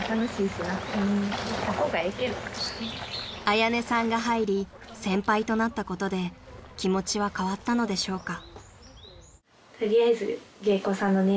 ［彩音さんが入り先輩となったことで気持ちは変わったのでしょうか？］